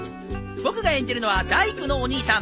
僕が演じるのは大工のお兄さん。